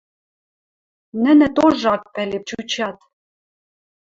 Нӹнӹ тоже ак пӓлеп чучат